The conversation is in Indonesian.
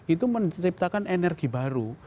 itu menciptakan energi baru